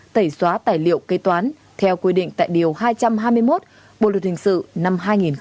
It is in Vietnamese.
tẩy xóa tài liệu kế toán theo quy định tại điều hai trăm hai mươi một bộ luật hình sự năm hai nghìn một mươi năm